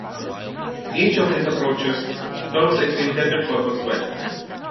Each of these approaches serves its intended purpose well.